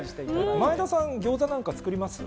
前田さん、ギョーザはなんか作り